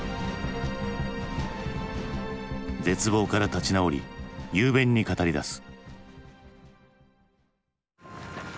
絶望から立ち直り雄弁に語りだす。